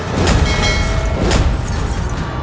itu gadis pemer manifes